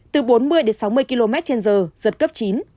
từ bốn mươi đến sáu mươi km trên giờ giật cấp chín